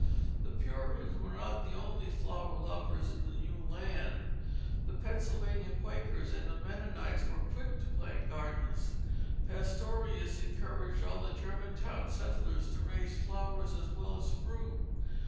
The Puritans were not the only flower lovers in the new land. The Pennsylvania Quakers and Mennonites were quick to plant gardens. Pastorius encouraged all the Germantown settlers to raise flowers as well as fruit.